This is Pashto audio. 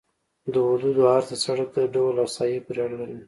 د حدودو عرض د سرک د ډول او ساحې پورې اړه لري